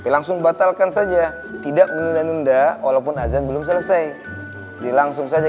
langsung batalkan saja tidak menunda nunda walaupun azan belum selesai dilangsung saja